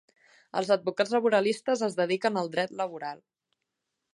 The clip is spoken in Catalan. Els advocats laboralistes es dediquen al dret laboral.